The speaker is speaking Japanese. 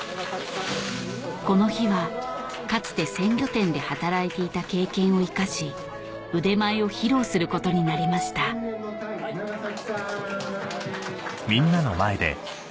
この日はかつて鮮魚店で働いていた経験を生かし腕前を披露することになりました長崎産。